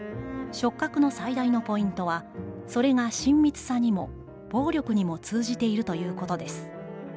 「触覚の最大のポイントは、それが親密さにも、暴力にも通じているということです。